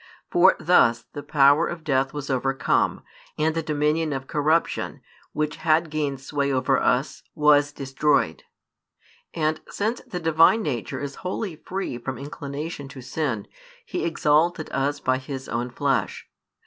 For thus the power of death was overcome, and the dominion of corruption, which had gained sway over us, was destroyed. And, since the Divine Nature is wholly free from inclination to sin, He exalted us by His own Flesh.